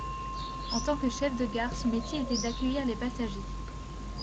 En tant que chef de gare, son métier était d'accueillir les passagers.